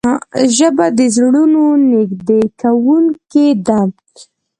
ژبه د زړونو نږدې کوونکې ده